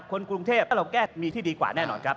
คนกรุงเทพแล้วเราแก้มีที่ดีกว่าแน่นอนครับ